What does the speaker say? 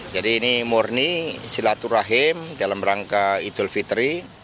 jadi ini murni silaturahim dalam rangka idul fitri